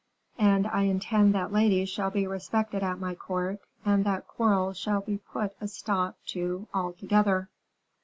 And I intend that ladies shall be respected at my court, and that quarrels shall be put a stop to altogether."